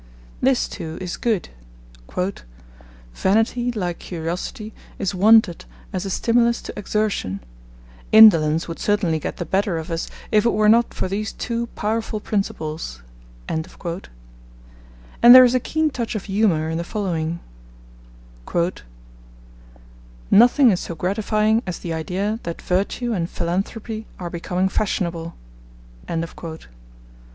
This, too, is good: 'Vanity, like curiosity, is wanted as a stimulus to exertion; indolence would certainly get the better of us if it were not for these two powerful principles'; and there is a keen touch of humour in the following: 'Nothing is so gratifying as the idea that virtue and philanthropy are becoming fashionable.'